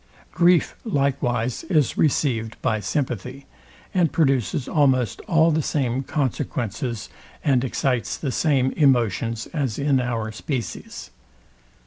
Grief likewise is received by sympathy; and produces almost all the same consequences, and excites the same emotions as in our species.